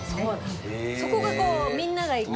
そこがみんなが行く。